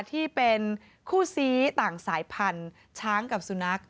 ที่เป็นคู่ซี้ต่างสายพันธุ์ช้างกับสุนัข